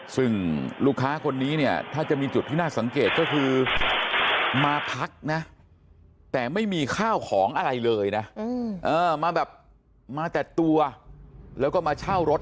ซึ่งลูกค้าคนนี้เนี่ยถ้าจะมีจุดที่น่าสังเกตก็คือมาพักนะแต่ไม่มีข้าวของอะไรเลยนะมาแบบมาแต่ตัวแล้วก็มาเช่ารถ